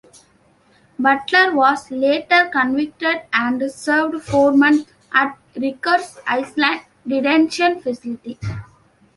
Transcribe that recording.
Butler was later convicted and served four months at Riker's Island detention facility.